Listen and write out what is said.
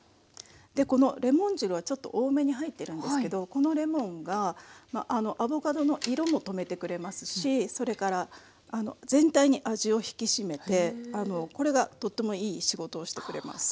このレモン汁はちょっと多めに入ってるんですけどこのレモンがアボカドの色もとめてくれますしそれから全体に味を引き締めてこれがとってもいい仕事をしてくれます。